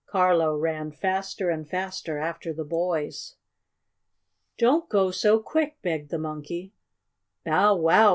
Carlo ran faster and faster after the boys. "Don't go so quick!" begged the Monkey. "Bow wow!